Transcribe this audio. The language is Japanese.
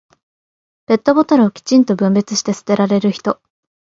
ペットボトルをきちんと分別して捨てられる人。